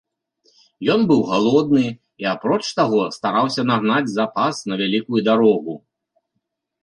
Ён быў галодны і, апроч таго, стараўся нагнаць запас на вялікую дарогу.